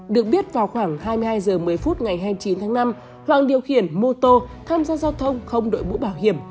được biết vào khoảng hai mươi hai h một mươi phút ngày hai mươi chín tháng năm hoàng điều khiển mô tô tham gia giao thông không đội bũ bảo hiểm